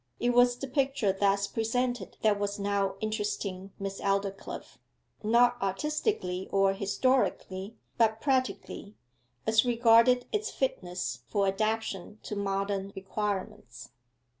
It was the picture thus presented that was now interesting Miss Aldclyffe not artistically or historically, but practically as regarded its fitness for adaptation to modern requirements.